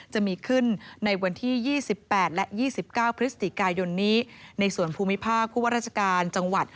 จะมีขึ้นในวันที่๒๘และ๒๙พฤศจิกายนนี้ในส่วนภูมิภาคผู้ว่าราชการจังหวัด